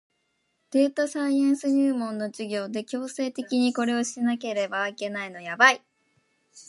データサイエンス入門の授業で強制的にこれをしなければいけないのやばい